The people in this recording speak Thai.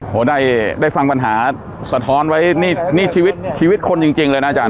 โหได้ได้ฟังปัญหาสัดฐอนไว้นี่นี่ชีวิตชีวิตคนจริงจริงเลยน่ะอาจารย์